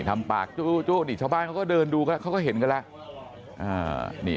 ทำปากจู้นี่ชาวบ้านเขาก็เดินดูเขาก็เห็นกันแล้ว